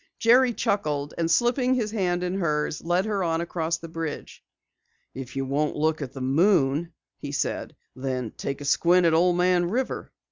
Jerry chuckled and slipping his hand in hers, led her on across the bridge. "If you won't look at the moon," he said, "then take a squint at Old Man River."